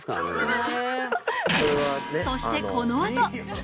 そしてこのあと